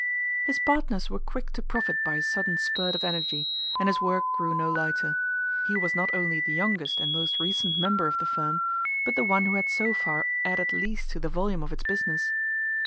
His partners were quick to profit by his sudden spurt of energy, and his work grew no lighter. He was not only the youngest and most recent member of the firm, but the one who had so far added least to the volume of its business.